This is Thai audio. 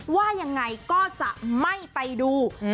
ว่ายังไงก็จะไม่ไปดู